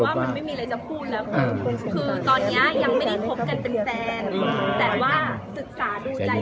เพราะว่ามันไม่มีอะไรจะพูดแล้วคือตอนนี้ยังไม่ได้พบกันเป็นแฟน